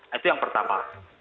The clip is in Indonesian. itu yang pertama